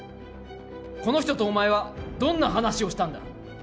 この人とお前は、どんな話をしたんだ。